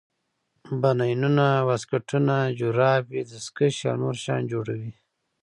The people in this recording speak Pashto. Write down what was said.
بنینونه واسکټونه جورابې دستکشې او نور شیان جوړوي.